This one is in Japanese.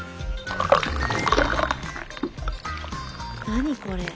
何これ？